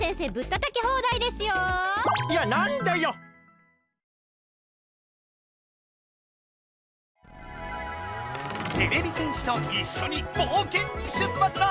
てれび戦士といっしょにぼうけんに出発だ！